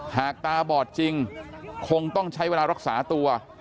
หากตาบอดจริงคงต้องใช้เวลารักษาตัว